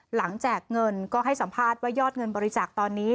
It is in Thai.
แจกเงินก็ให้สัมภาษณ์ว่ายอดเงินบริจาคตอนนี้